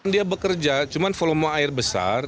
dia bekerja cuma volume air besar